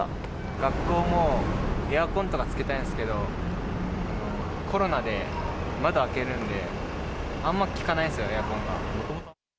学校も、エアコンとかつけたいんですけど、コロナで窓開けるんで、あんま効かないんですよね、エアコンが。